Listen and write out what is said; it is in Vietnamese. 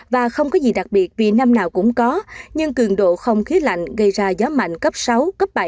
và không có gì đặc biệt vì năm nào cũng có nhưng cường độ không khí lạnh gây ra gió mạnh cấp sáu cấp bảy